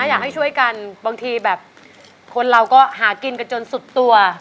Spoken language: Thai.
อยากให้ช่วยกันบางทีแบบคนเราก็หากินกันจนสุดตัว